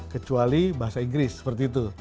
kecuali bahasa inggris seperti itu